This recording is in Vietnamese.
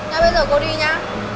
nhá bây giờ cô đi nhá